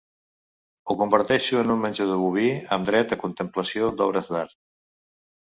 Ho converteixo en un menjador boví amb dret a contemplació d'obres d'art.